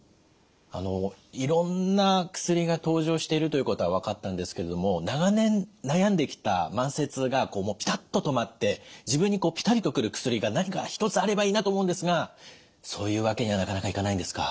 いろんな薬が登場しているということは分かったんですけれども長年悩んできた慢性痛がもうピタッと止まって自分にピタリと来る薬が何か一つあればいいなと思うんですがそういうわけにはなかなかいかないんですか？